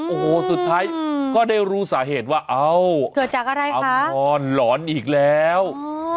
โอ้โหสุดท้ายก็ได้รู้สาเหตุว่าอ้าวอัมพรหลอนอีกแล้วเกิดจากอะไรคะ